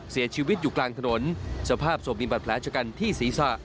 เสียชีวิตอยู่กลางถนนสภาพศพมีบาดแผลชะกันที่ศีรษะ